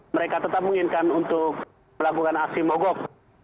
mereka tetap menginginkan untuk melakukan aksi mogok